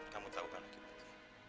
kamu tahu kan akibat